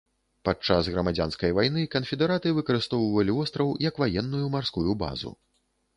Падчас грамадзянскай вайны канфедэраты выкарыстоўвалі востраў як ваенную марскую базу.